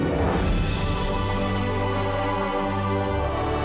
kamu takut kehilangan suara kamu